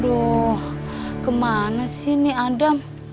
aduh kemana sih ini adam